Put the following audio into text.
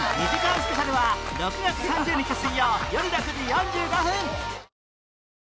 スペシャルは６月３０日水曜よる６時４５分